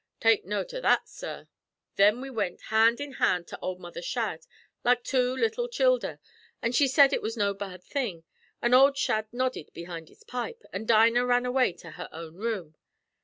Take note av that, sorr. Thin we wint, hand in hand, to ould Mother Shadd, like two little childher, an' she said it was no bad thing; an' ould Shadd nodded behind his pipe, an' Dinah ran away to her own room.